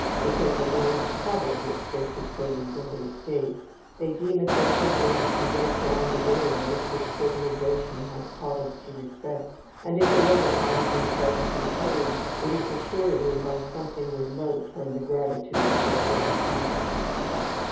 They take a world of trouble which they could so easily escape; they deem it their privilege to break down the barriers which civilization has taught us to respect; and if they ever find themselves repaid, it is assuredly by something remote from the gratitude of their correspondents.